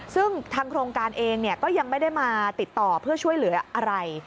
ซึ่งทางโครงการเองก็ยังไม่ได้มาติดต่อเพื่อช่วยเหลืออะไร